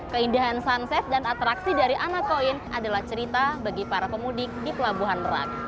keindahan sunset dan atraksi dari anak koin adalah cerita bagi para pemudik di pelabuhan merak